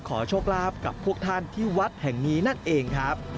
ขอโชคลาภกับพวกท่านที่วัดแห่งนี้นั่นเองครับ